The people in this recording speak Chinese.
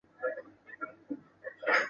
阿罗人口变化图示